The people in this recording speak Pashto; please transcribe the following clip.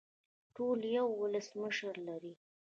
ټول یو ولسمشر لري